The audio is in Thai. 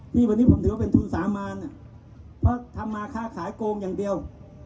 ที่วันนี้ผมถือว่าเป็นทุนสามารเพราะทำมาค่าขายโกงอย่างเดียว